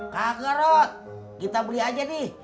kagak rot kita beli aja di